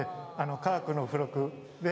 「科学」の付録です。